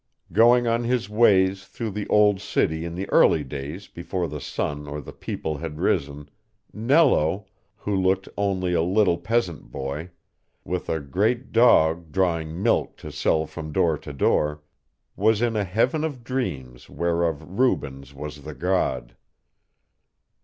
Going on his ways through the old city in the early days before the sun or the people had risen, Nello, who looked only a little peasant boy, with a great dog drawing milk to sell from door to door, was in a heaven of dreams whereof Rubens was the god.